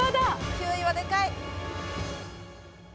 ９位はでかい。